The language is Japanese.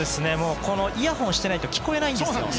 イヤホンをしていないと聞こえないんですよね。